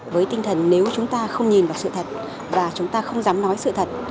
với tinh thần nếu chúng ta không nhìn vào sự thật và chúng ta không dám nói sự thật